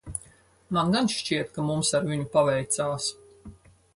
Man gan šķiet, ka mums ar viņu paveicās.